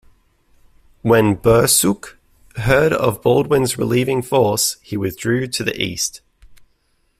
When Bursuq heard of Baldwin's relieving force, he withdrew to the east.